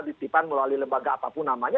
ditipan melalui lembaga apapun namanya